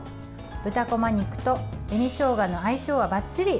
豚こま肉と紅しょうがの相性はばっちり。